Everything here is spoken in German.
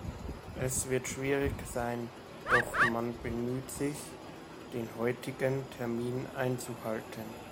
Es wird schwierig sein, doch man bemüht sich, den heutigen Termin einzuhalten.